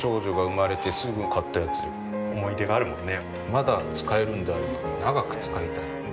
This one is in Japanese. まだ使えるんであれば長く使いたい。